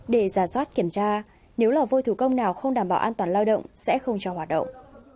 để giả soát kiểm tra nếu là vôi thủ công nào không đảm bảo an toàn lao động sẽ không cho hoạt động